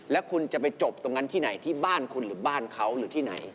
แล้วคุณจะไปจบตรงนั้นที่ไหนที่บ้านคุณหรือบ้านเขาหรือที่ไหน